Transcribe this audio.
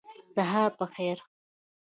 سهار په خیر